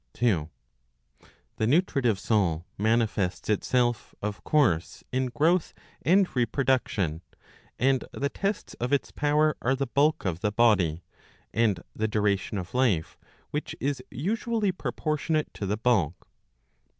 (2). The Nutritive soul manifests itself, of course, in growth and reproduction ; and the tests of its power are the bulk of the body,'' and the duration of life, which is usually proportionate to the bulk.